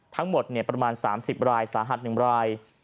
ทั้งหมดประมาณ๓๐รายสาหัส๑ราย